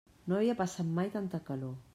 No havia passat mai tanta calor.